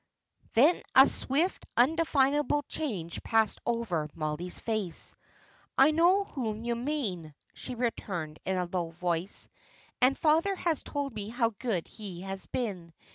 Then a swift, undefinable change passed over Mollie's face. "I know whom you mean," she returned in a low voice; "and father has told me how good he has been.